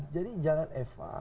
jadi jangan efah